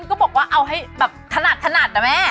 ก็บอกว่าเอาให้แบบถนัดถนัดนะแม่